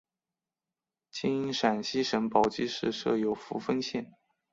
今陕西省宝鸡市设有扶风县。